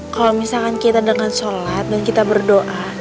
kalau misalkan kita dengan sholat dan kita berdoa